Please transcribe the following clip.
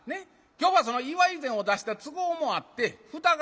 今日はその祝い膳を出した都合もあって蓋が開いてたんですな。